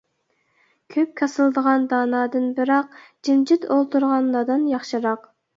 كۆپ كاسىلدىغان دانادىن بىراق، جىمجىت ئولتۇرغان نادان ياخشىراق.